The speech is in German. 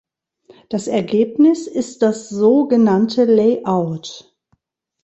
Das Ergebnis ist das so genannte Layout.